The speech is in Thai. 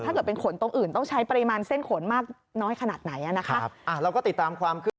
ถ้าเกิดเป็นขนตรงอื่นต้องใช้ปริมาณเส้นขนมากน้อยขนาดไหนนะคะ